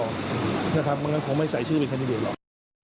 มันก็คงไม่ใส่ชื่อเป็นแคนดิเดตหรอก